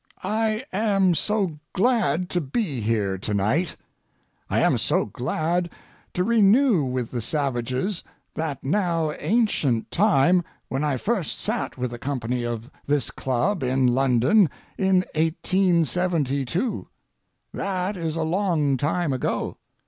I am so glad to be here to night. I am so glad to renew with the Savages that now ancient time when I first sat with a company of this club in London in 1872. That is a long time ago.